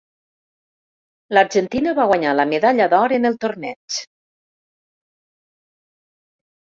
L'Argentina va guanyar la medalla d'or en el torneig.